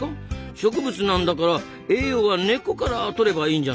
植物なんだから栄養は根っこからとればいいんじゃないですか？